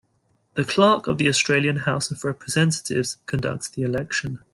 The Clerk of the Australian House of Representatives conducts the election.